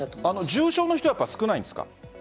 重症の人は少ないですか？